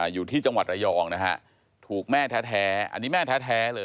อยู่ที่จังหวัดระยองนะฮะถูกแม่แท้อันนี้แม่แท้เลย